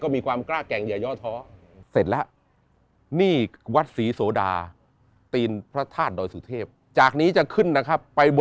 มาแล้วนะครับ